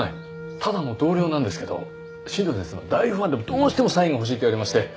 ただの同僚なんですけど新道先生の大ファンでどうしてもサインが欲しいと言われまして。